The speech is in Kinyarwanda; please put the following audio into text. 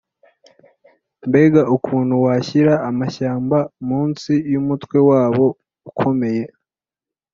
mbega ukuntu washyira amashyamba munsi yumutwe wabo ukomeye!